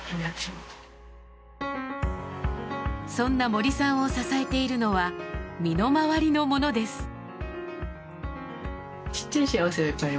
そんな森さんを支えているのは身の回りのものです。